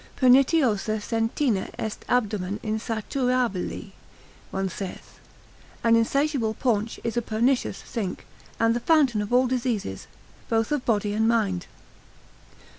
Pernitiosa sentina est abdomen insaturabile: one saith, An insatiable paunch is a pernicious sink, and the fountain of all diseases, both of body and mind.